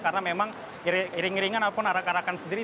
karena memang iring iringan ataupun arak arakan sendiri